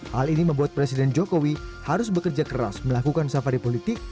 hal ini membuat presiden jokowi harus bekerja keras melakukan safari politik